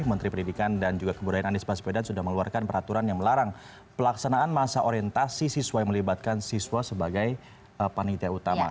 menteri pendidikan dan juga kebudayaan anies baswedan sudah mengeluarkan peraturan yang melarang pelaksanaan masa orientasi siswa yang melibatkan siswa sebagai panitia utama